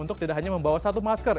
untuk tidak hanya membawa satu masker